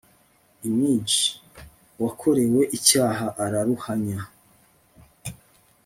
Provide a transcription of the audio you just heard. Img Uwakorewe icyaha araruhanya